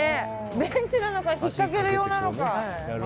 ベンチなのかひっかける用なのか。